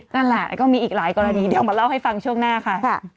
นั่นแหละก็มีอีกหลายกรณีเดี๋ยวมาเล่าให้ฟังช่วงหน้าค่ะ